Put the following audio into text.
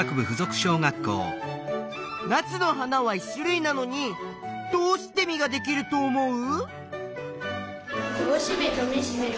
ナスの花は１種類なのにどうして実ができると思う？